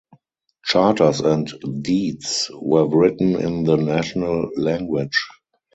Charters and deeds were written in the national language.